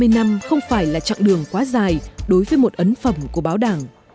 hai mươi năm không phải là chặng đường quá dài đối với một ấn phẩm của báo đảng